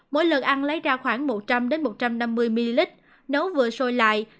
mỗi lần ăn lấy ra khoảng một trăm linh một trăm năm mươi ml nấu vừa sôi lại